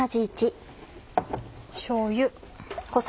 しょうゆ。